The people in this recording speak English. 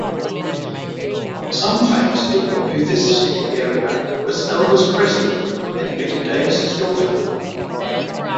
Some famous people who visited the area was Elvis Presley, and Betty Davis' daughter.